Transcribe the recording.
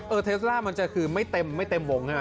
เออเทสลามันจะคือไม่เต็มไม่เต็มวงใช่ไหม